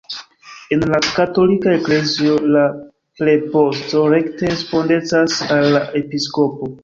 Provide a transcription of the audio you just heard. En la katolika eklezio la preposto rekte respondecas al la episkopo.